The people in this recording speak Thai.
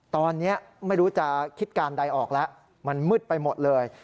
ตอนนี้ไม่รู้จะคิดการใดออกแล้วมันมืดไปหมดเลย